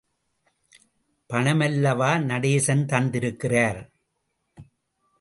பணமல்லவா நடேசன் தந்திருக்கிறார்!